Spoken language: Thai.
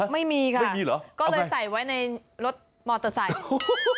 ไม่มีค่ะไม่มีเหรอก็เลยใส่ไว้ในรถมอเตอร์ไซค์